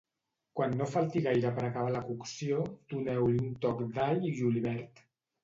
Quan no falti gaire per acabar la cocció, doneu-hi un toc d'all i julivert.